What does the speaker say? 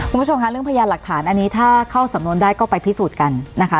คุณผู้ชมค่ะเรื่องพยานหลักฐานอันนี้ถ้าเข้าสำนวนได้ก็ไปพิสูจน์กันนะคะ